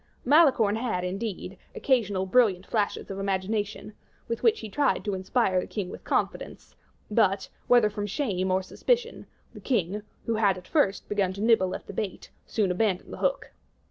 Malicorne had, indeed, occasional brilliant flashes of imagination, with which he tried to inspire the king with confidence; but, whether from shame or suspicion, the king, who had at first begun to nibble at the bait, soon abandoned the hook.